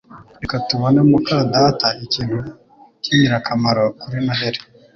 Reka tubone muka data ikintu cyingirakamaro kuri Noheri